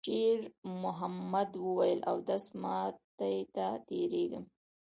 شېرمحمد وویل: «اودس ماتی ته تېرېږم.»